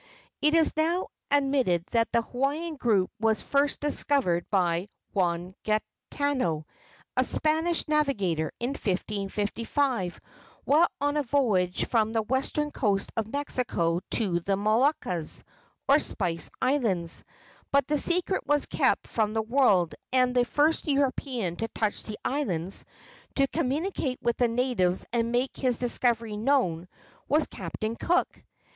It is now admitted that the Hawaiian group was first discovered by Juan Gaetano, a Spanish navigator, in 1555, while on a voyage from the western coast of Mexico to the Moluccas, or Spice Islands; but the secret was kept from the world, and the first European to touch at the islands, to communicate with the natives and make his discovery known, was Captain Cook.